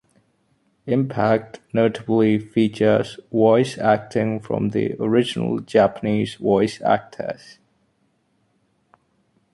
"Impact" notably features voice acting from the original Japanese voice actors.